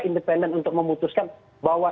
independen untuk memutuskan bahwa